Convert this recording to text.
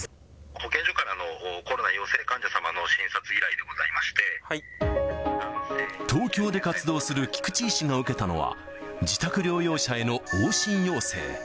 保健所からのコロナ陽性患者東京で活動する菊池医師が受けたのは、自宅療養者への往診要請。